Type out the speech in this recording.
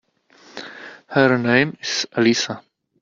Her name is Elisa.